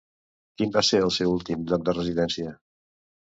Quin va ser el seu últim lloc de residència?